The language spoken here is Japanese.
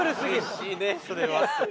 嬉しいねそれは。